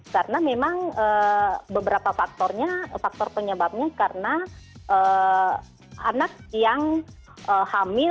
karena memang beberapa faktornya faktor penyebabnya karena anak yang hamil